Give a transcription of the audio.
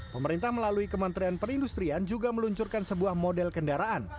pemerintah melalui kementerian perindustrian juga meluncurkan sebuah model kendaraan